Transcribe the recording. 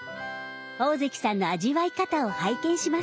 大関さんの味わい方を拝見します。